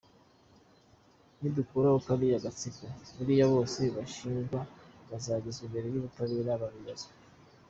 Nidukuraho kariya gatsiko bariya bose bashinjwa bazagezwa imbere y’ubutabera babibazwe.